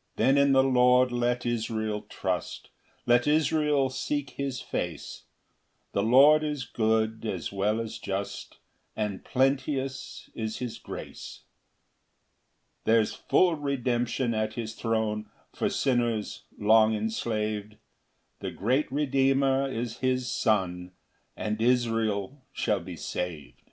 ] 7 [Then in the Lord let Israel trust, Let Israel seek his face; The Lord is good as well as just, And plenteous is his grace. 8 There's full redemption at his throne For sinners long enslav'd; The great Redeemer is his Son, And Israel shall be sav'd.